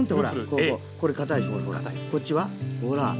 こっちはほら！